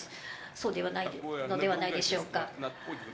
そうではないのではないでしょうか。